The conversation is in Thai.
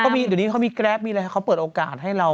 เดี๋ยวนี้เขามีแกรปมีอะไรเขาเปิดโอกาสให้เรา